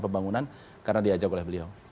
pembangunan karena diajak oleh beliau